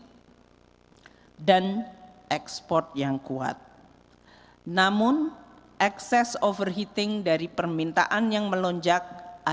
hai dan ekspor yang kuat namun excess overheating dari permintaan yang melonjak